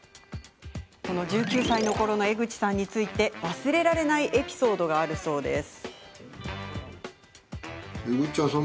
１９歳のころの江口さんについて忘れられないエピソードがあるそうです。